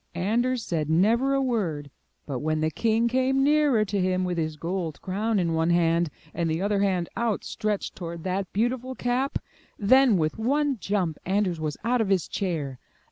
Anders said never a word but when the king came nearer to him with his gold crown in one hand, and the other hand out stretched toward that beautiful cap, then, with one jump, Anders was out of his chair.